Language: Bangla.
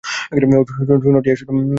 শুনো, টিয়া।